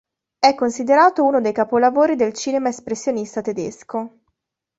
È considerato uno dei capolavori del cinema espressionista tedesco.